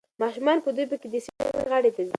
ماشومان په دوبي کې د سیند غاړې ته ځي.